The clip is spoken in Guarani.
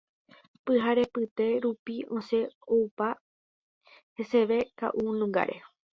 Pyharepyte rupi osẽ oupa heseve ka'unungáre.